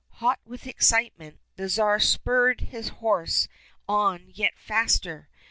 Hot with excitement, the Tsar spurred his horse on yet faster.